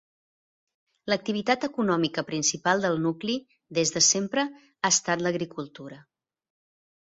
L'activitat econòmica principal del nucli des de sempre ha estat l'agricultura.